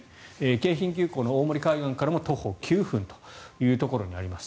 京浜急行の大森海岸からも徒歩９分というところにあります。